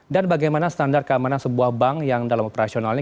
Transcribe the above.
dan bagaimana standar keamanan sebuah bank yang dalam operasional ini